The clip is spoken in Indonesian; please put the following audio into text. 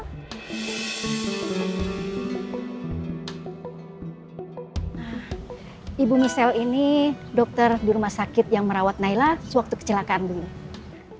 nah ibu michelle ini dokter di rumah sakit yang merawat naila sewaktu kecelakaan dulu